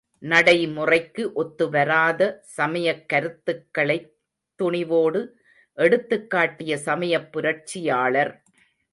நடைமுறைக்கு ஒத்து வராத சமயக் கருத்துக்களைத் துணிவோடு எடுத்துக்காட்டிய சமயப் புரட்சியாளர்.